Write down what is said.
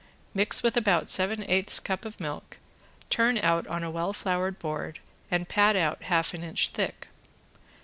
Mix with about seven eighths cup of milk, turn out on a well floured board and pat out half an inch thick.